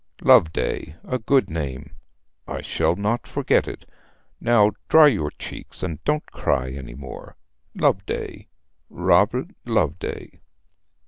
'Loveday a good name. I shall not forget it. Now dry your cheeks, and don't cry any more. Loveday Robert Loveday.'